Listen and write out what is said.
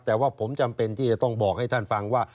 แต่ว่าผมจำเป็นที่จะต้องบอกให้ท่านฟังว่า